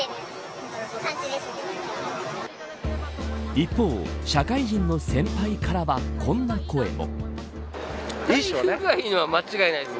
一方、社会人の先輩からはこんな声も。